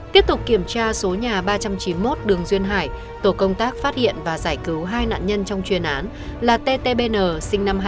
tiếp tục kiểm tra số nhà ba trăm chín mươi một đường duyên hải tổ công tác phát hiện và giải cứu hai nạn nhân trong chuyên án là ttbn sinh năm hai nghìn hai